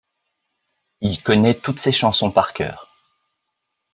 Il connaît toutes ses chansons par cœur.